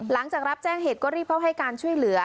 หลังจากรับแจ้งเหตุก็รีบเข้าให้การช่วยเหลือ